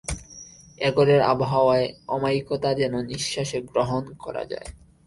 এ ঘরের আবহাওয়ার অমায়িকতা যেন নিশ্বাসে গ্রহণ করা যায়।